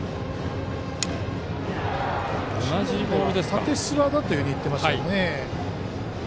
縦スラだと言っていましたよね。